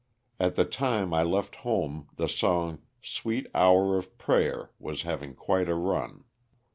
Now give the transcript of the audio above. At the time I left home the song '' Sweet Hour of Prayer " was having quite a run.